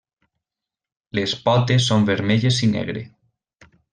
Les potes són vermelles i negre.